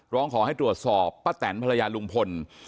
ร้องขอให้ตรวจสอบป้าแตนภรรยาลุงพล